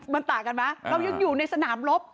มันต่างกันไหมเรายังอยู่ในสนามลบ